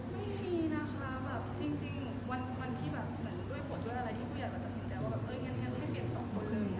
ไม่มีนะคะจริงวันที่เหมือนด้วยผลด้วยอะไรที่ผู้ใหญ่จัดสินใจว่าเอ้ยงั้นไม่เปลี่ยนสองคน